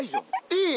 いい？